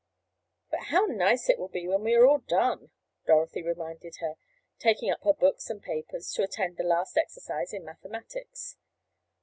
"But how nice it will be when we are all done," Dorothy reminded her, taking up her books and papers, to attend the last exercise in mathematics.